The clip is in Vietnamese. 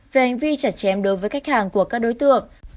về hành vi chặt chém đối với khách hàng của các đối tượng